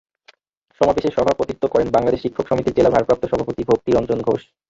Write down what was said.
সমাবেশে সভাপতিত্ব করেন বাংলাদেশ শিক্ষক সমিতির জেলা ভারপ্রাপ্ত সভাপতি ভক্তি রঞ্জন ঘোষ।